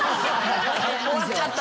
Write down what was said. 終わっちゃった。